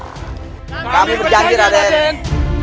kami berjanji raden